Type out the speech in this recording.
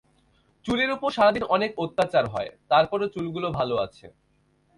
চুলের ওপর সারা দিন অনেক অত্যাচার হয়, তারপরও চুলগুলো ভালো আছে।